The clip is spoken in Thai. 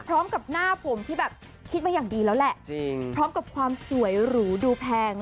หน้าผมที่แบบคิดมาอย่างดีแล้วแหละจริงพร้อมกับความสวยหรูดูแพง